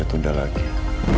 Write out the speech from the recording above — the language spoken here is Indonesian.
yang belumfps bisnisnya